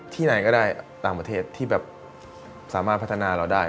ไหนก็ได้ต่างประเทศที่แบบสามารถพัฒนาเราได้